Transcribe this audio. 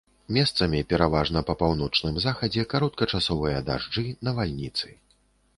Месцамі, пераважна па паўночным захадзе, кароткачасовыя дажджы, навальніцы.